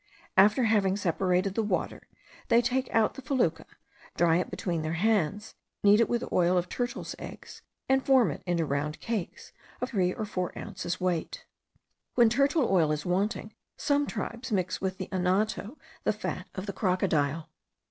After having separated the water, they take out the fecula, dry it between their hands, knead it with oil of turtles' eggs, and form it into round cakes of three or four ounces weight. When turtle oil is wanting, some tribes mix with the anato the fat of the crocodile.